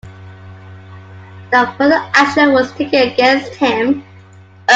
No further action was taken against him.